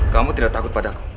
kamu tidak takut padaku